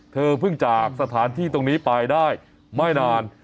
เธอเพิ่งจากสถานที่ตรงนี้ไปได้ไม่นาน